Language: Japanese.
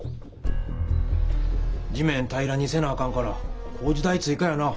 地面平らにせなあかんから工事代追かやな！